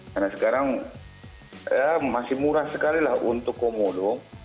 karena sekarang masih murah sekali lah untuk komodo